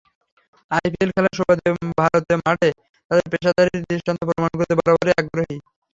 IPL খেলার সুবাদে ভারত মাঠে তাদের পেশাদারির দৃষ্টান্ত প্রমাণ করতে বরাবরই আগ্রহী।